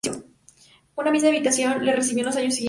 La misma invitación la recibió en los años siguientes.